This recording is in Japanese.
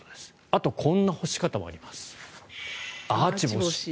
あとこんな干し方もあります。